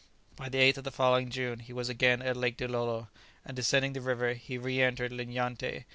By the 8th of the following June he was again at Lake Dilolo, and descending the river, he re entered Linyanté.